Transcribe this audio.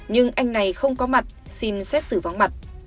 nhưng anh này không có mặt xin xét xử vắng mặt